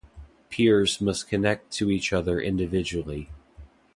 Peers must connect to each other individually.